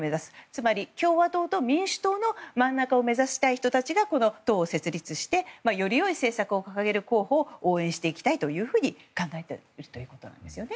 つまり共和党と民主党の真ん中を目指したい人たちがこの党を設立してより良い政策を掲げる候補を応援していきたいと考えているということです。